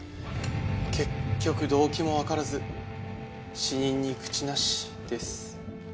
結局動機もわからず死人に口なしです。